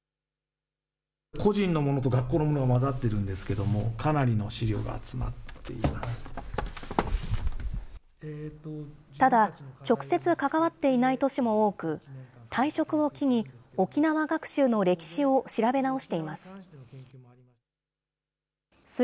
個人のものと学校のものが混ざっているんですけれども、かなただ、直接、関わっていない年も多く、退職を機に、沖縄学習の歴史を調べ直しています。